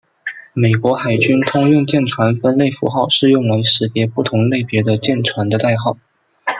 美国海军通用舰船分类符号是用来识别不同类别的舰船的代号。